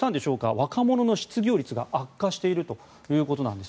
若者の失業率が悪化しているということです。